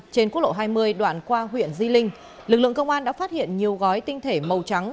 trên quốc lộ hai mươi đoạn qua huyện di linh lực lượng công an đã phát hiện nhiều gói tinh thể màu trắng